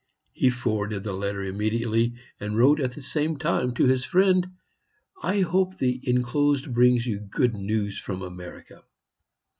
He forwarded the letter immediately, and wrote at the same time to his friend: "I hope the inclosed brings you good news from America."